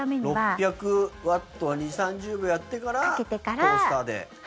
６００ワットを２０３０秒やってからトースターで。